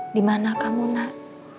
aku mau ketemu kamu nak